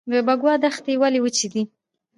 د بکوا دښتې ولې وچې دي؟